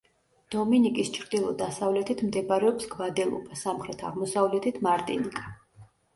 დომინიკის ჩრდილო-დასავლეთით მდებარეობს გვადელუპა, სამხრეთ-აღმოსავლეთით მარტინიკა.